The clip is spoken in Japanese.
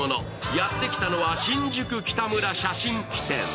やってきたのは新宿北村写真機店。